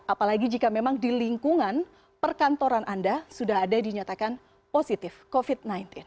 apalagi jika memang di lingkungan perkantoran anda sudah ada dinyatakan positif covid sembilan belas